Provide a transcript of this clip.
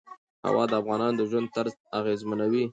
هوا د افغانانو د ژوند طرز اغېزمنوي.